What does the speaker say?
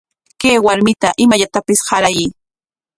Kay warmita imallatapis qarayuy.